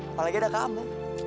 apalagi ada kamu